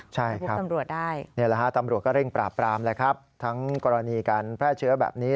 ใช่ครับตำรวจก็เร่งปราบปรามแล้วครับทั้งกรณีการแพร่เชื้อแบบนี้